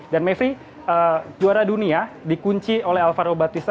dan mayfrey juara dunia dikunci oleh alvaro bautista